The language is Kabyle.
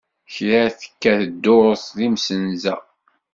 Kra tekka ddurt d imzenza.